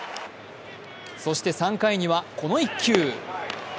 そして３回には、この１球。